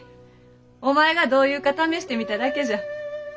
お前がどう言うか試してみただけじゃ。